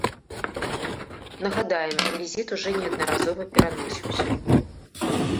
Нагадаем, візіт ужо неаднаразова пераносіўся.